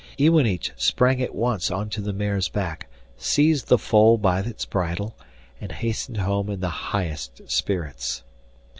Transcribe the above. Iwanich sprang at once on to the mare's back, seized the foal by its bridle, and hastened home in the highest spirits.